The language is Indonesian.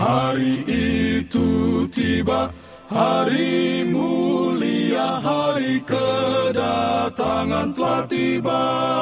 hari itu tiba hari mulia hari kedatangan telah tiba